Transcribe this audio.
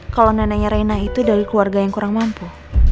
kalau neneknya reina itu dari keluarga yang kurang mampu